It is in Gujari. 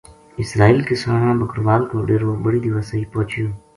اسرائیل کسانہ بکروال کو ڈیرو بڑ ی دیواسئی پوہچیو